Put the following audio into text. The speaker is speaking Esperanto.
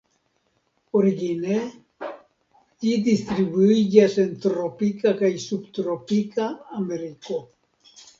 Origine ĝi distribuiĝas en tropika kaj subtropika Ameriko.